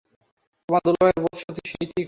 তোমার দুলাভাইয়ের বোধশক্তি সেই ঠিক করেছে।